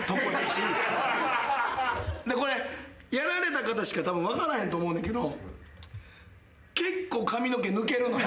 これやられた方しかたぶん分からへんと思うねんけど。